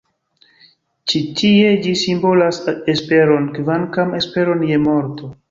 Ĉi tie ĝi simbolas esperon, kvankam esperon je morto.